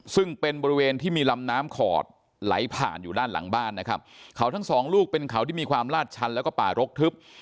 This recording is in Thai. ซึ่งเป็นบริเวณที่มีลำน้ำขอดไหลผ่านอยู่ด้านหลังบ้านนะครับเขาทั้งสองลูกเป็นเขาที่มีความลาดชันแล้วก็ป่ารกทึบ